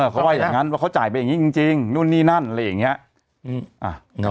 เขาว่าอย่างนั้นว่าเขาจ่ายไปอย่างนี้จริงนู่นนี่นั่นอะไรอย่างนี้